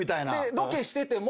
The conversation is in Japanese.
ロケしてても。